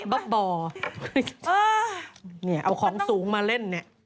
แบบบ่อเอาของสูงมาเล่นเนี่ย